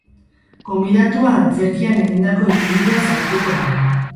Gonbidatua antzerkian egindako ibilbideaz arituko da.